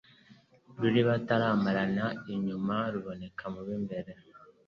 Ruri bataramana inyuma ruboneka mu b,imbere